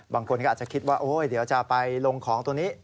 บางคนก็อาจจะคิดว่าเดี๋ยวจะไปลงของตัวนี้